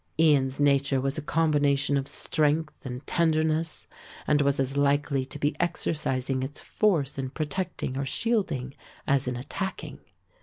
Ian's nature was a combination of strength and tenderness and was as likely to be exercising its force in protecting or shielding as in attacking.